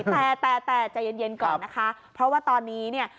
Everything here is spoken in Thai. แต่แต่แต่ใจเย็นก่อนนะคะเพราะว่าตอนนี้เนี่ย